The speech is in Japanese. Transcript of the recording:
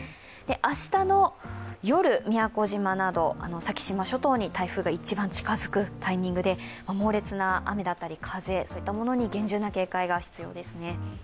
明日の夜、宮古島など先島諸島に台風が一番近づくタイミングで、猛烈な雨だったり風に厳重な警戒が必要ですね。